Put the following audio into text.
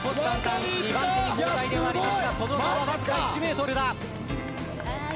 ２番手に後退ではありますがその差はわずか１ｍだ。